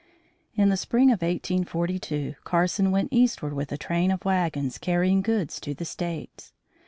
In the spring of 1842, Carson went eastward with a train of wagons, carrying goods to the States.